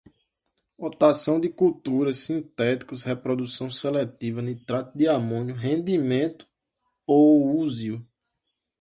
rotação de culturas, sintéticos, reprodução seletiva, nitrato de amônio, rendimento, pousio